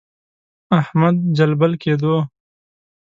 احمد جلبل کېدو.